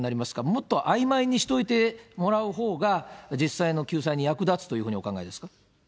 もっとあいまいにしといてもらうほうが、実際の救済に役立つというふうにお考えですか。